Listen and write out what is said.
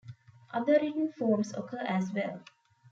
Other written forms occur as well.